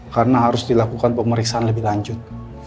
karena harus dilakukan pemeriksaan lebih lanjut